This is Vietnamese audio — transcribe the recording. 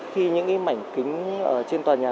khi những mảnh kính trên tòa nhà